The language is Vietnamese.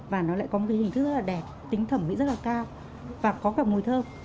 và nó lại có một cái hình thức rất là đẹp tính thẩm mỹ rất là cao và có cả mùi thơm